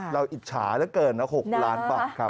เราอิจฉาเกินนะ๖ล้านบาทครับ